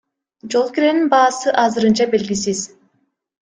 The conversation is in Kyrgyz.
Жол киренин баасы азырынча белгисиз.